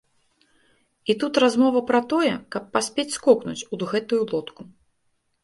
І тут размова пра тое, каб паспець скокнуць у гэтую лодку.